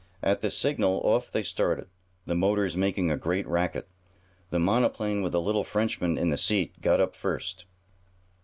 At the signal off they started, the motors making a great racket. The monoplane with the little Frenchman in the seat got up first.